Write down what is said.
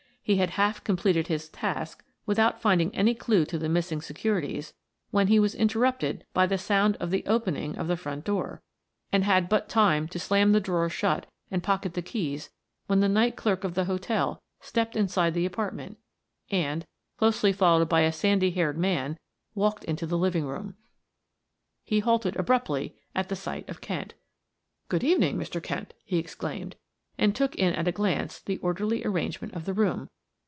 He had half completed his task, without finding any clew to the missing securities, when he was interrupted by the sound of the opening of the front door, and had but time to slam the drawers shut and pocket the keys when the night clerk of the hotel stepped inside the apartment and, closely followed by a sandy haired man, walked into the living room. He halted abruptly at sight of Kent. "Good evening, Mr. Kent," he exclaimed, and took in at a glance the orderly arrangement of the room.